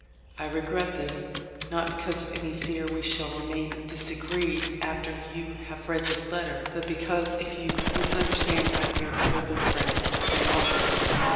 I re gret this, not because of any fear we shall remain disagreed after you have read this letter, but because if you misunderstand I fear other good friends may also."